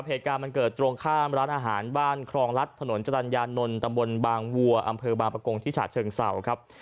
เหตุการณ์มันเกิดตรงข้ามร้านอาหารบ้านครองรัฐถนนจรรยานนท์ตำบลบางวัวอำเภอบางประกงที่ฉาเชิงเศร้าครับ